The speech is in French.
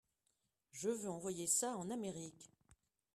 Je veux envoyer ça en Amérique.